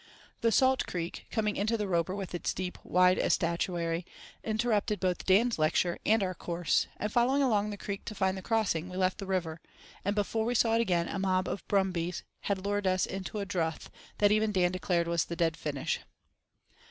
The Salt Creek, coming into the Roper with its deep, wide estuary, interrupted both Dan's lecture and our course, and following along the creek to find the crossing we left the river, and before we saw it again a mob of "brumbies" had lured us into a "drouth" that even Dan declared was the "dead finish."